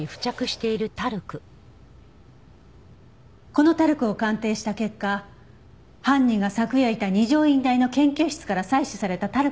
このタルクを鑑定した結果犯人が昨夜いた二条院大の研究室から採取されたタルクと合致しました。